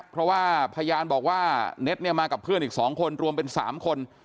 เพราะว่าพยานบอกว่าเน็ตเนี่ยมากับเพื่อนอีก๒คนรวมเป็น๓คน